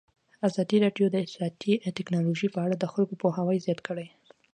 ازادي راډیو د اطلاعاتی تکنالوژي په اړه د خلکو پوهاوی زیات کړی.